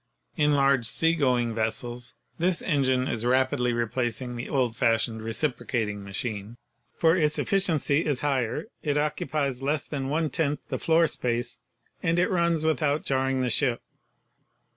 In large sea going vessels this engine is rapidly replacing the old fashioned "reciprocating" machine, for its efficiency is higher, it occupies less than one tenth the floor space and it runs without jarring the ship.